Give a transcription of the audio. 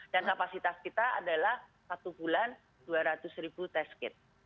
dan kapasitas kita adalah satu bulan rp dua ratus test kit